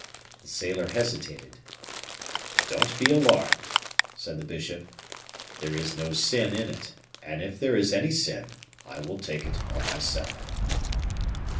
The sailor hesitated. "Don't be alarmed," said the bishop, "there is no sin in it; and if there is any sin, I will take it on myself."